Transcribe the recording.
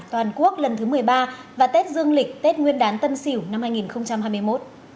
toàn quốc lần thứ một mươi ba và tết dương lịch tết nguyên đán tân sỉu năm hai nghìn hai mươi một